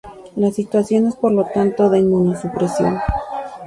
Su actuación es por lo tanto de inmunosupresión.